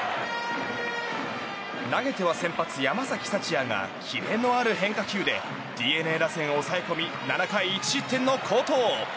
投げては先発、山崎福也がキレのある変化球でＤｅＮＡ打線を抑え込み７回１失点の好投。